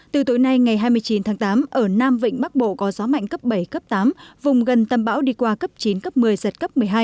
từ tối nay ngày hai mươi chín tháng tám ở nam vịnh bắc bộ có gió mạnh cấp bảy cấp tám vùng gần tâm bão đi qua cấp chín cấp một mươi giật cấp một mươi hai